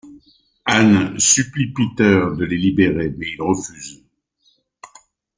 Ann supplie Peter de les libérer mais il refuse.